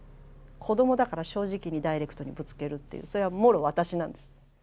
子どもだから正直にダイレクトにぶつけるっていうそれはもろ私なんです。